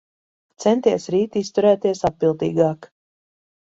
Centies rīt izturēties atbildīgāk.